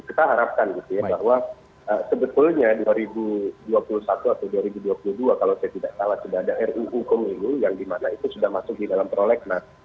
kita harapkan gitu ya bahwa sebetulnya dua ribu dua puluh satu atau dua ribu dua puluh dua kalau saya tidak salah sudah ada ruu pemilu yang dimana itu sudah masuk di dalam prolegnas